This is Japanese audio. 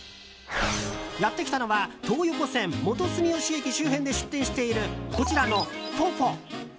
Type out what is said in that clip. やってきたのは、東横線元住吉駅周辺で出店しているこちらのＦＯＦＯ。